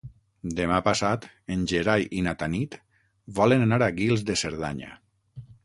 Demà passat en Gerai i na Tanit volen anar a Guils de Cerdanya.